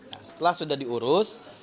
nah setelah sudah diurus